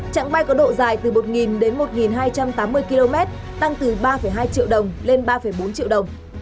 trạng bay có độ dài từ một đến một hai trăm tám mươi km tăng từ ba hai triệu đồng lên ba bốn triệu đồng